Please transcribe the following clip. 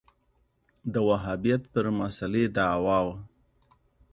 دا وهابیت پر مسألې دعوا وه